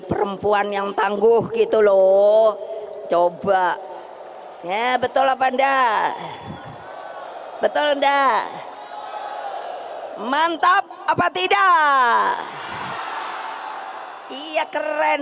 perempuan yang tangguh gitu loh coba ya betul apa enggak betul enggak mantap apa tidak iya keren